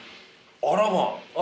あらまあ。